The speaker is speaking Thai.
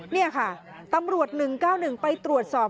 นี่ค่ะตำรวจ๑๙๑ไปตรวจสอบ